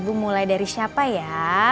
ibu mulai dari siapa ya